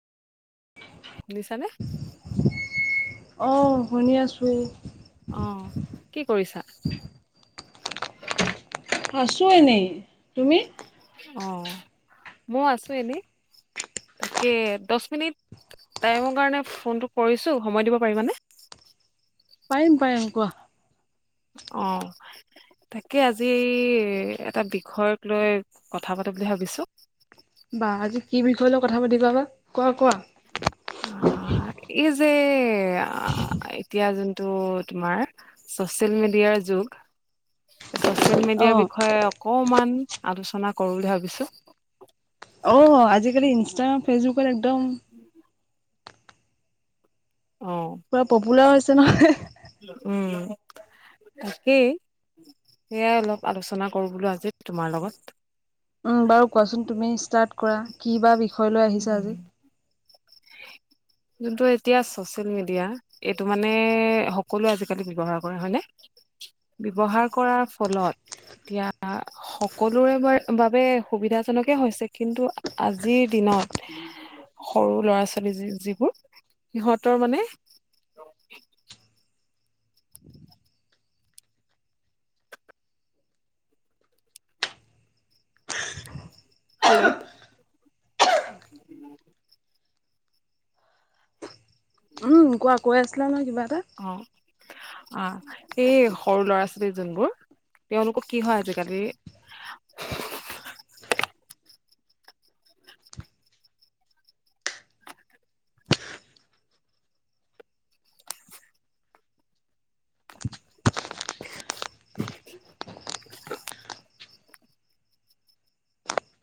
শুনিছা নে? অঁ শুনি আছোঁ। অ কি কৰিছা আছোঁ এনেই তুমি? অ মই আছো এনেই, তাকে দহ মিনিট টাইমৰ কাৰণে ফোনটো কৰিছো সময় দিব পাৰি মানে, পাৰিম পাৰিম কোৱা। অ তাকে আজি এটা বিষয়ক লৈ কথা প। বুলি ভাবিছো। থৈ লওক কথা পাতিবা বা কোৱা কোৱা। অ এই যে, আ আ। এতিয়া যোনটো তোমাৰ চচিয়েল মিডিয়াৰ যোগ। চচিয়েল মিডিয়াৰ অ', বিষয়ে অকমান আলোচনা কৰো বুলি ভাবিছো। অ আজিকালি ইনষ্টাগ্ৰাম ফেচবুক একদম। অ পুৰা পপুলাৰ হৈছে নহয়। উম । [unintelligible] তাকেই সেয়াই অলপ আলোচনা কৰো বোলো আজি তোমাৰ লগত। উ বাৰু কোৱাচোন তুমি ষ্টাৰ্ট কৰা কি বা বিষয় লৈ আহিছা উম, আজি। [unintelligible] যোনটো এতিয়া ছচিয়েল মিডিয়া এইটো মানে সকলোৱে আজিকালি ব্যৱহাৰ কৰে হয়নে? ব্যৱহাৰ কৰাৰ ফলত, এতিয়া সকলোৰে বাবে সুবিধাজনকে হৈছে কিন্তু আজিৰ দিনত, সৰু ল'ৰাছো। ' ছোৱালী যিবোৰ সিহঁতৰ মানে, হেল্ল'। উম কোৱা কৈ আছিলা নহয় কিবা এটা, অ', অ এই সৰু ল'ৰা ছোৱালী যোনবোৰ তেওঁলোকক কি হয় আজিকালি, ফু ফা